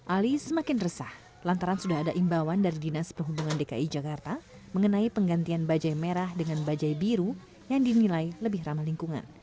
ali semakin resah lantaran sudah ada imbauan dari dinas perhubungan dki jakarta mengenai penggantian bajai merah dengan bajai biru yang dinilai lebih ramah lingkungan